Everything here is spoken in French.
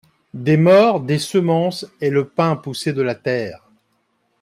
Des morts, des semences, et le pain poussait de la terre.